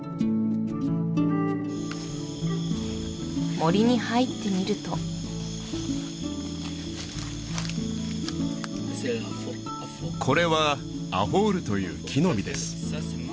森に入ってみるとこれはアフォールという木の実です